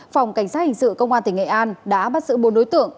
phòng cảnh sát hình sự công an tỉnh nghệ an đã bắt giữ bốn đối tượng